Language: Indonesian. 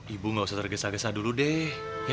ibu gak usah tergesa gesa dulu deh